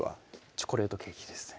チョコレートケーキですね